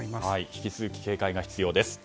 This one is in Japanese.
引き続き警戒が必要です。